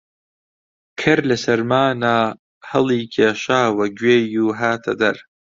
کەر لە سەرمانا هەڵیکێشاوە گوێی و هاتە دەر